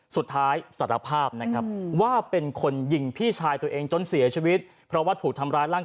สุดท้ายสรรพาบนะครับว่าเป็นคนยิ่งพี่ชายตัวเองจนเสียชีวิตเพราะว่าถูกทำร้าย